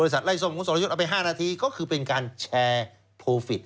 อศมธอศมธเอาไป๕นาทีก็คือเป็นการแชร์ผูฟิต